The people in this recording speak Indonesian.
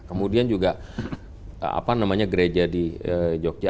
kemudian juga gereja di jogja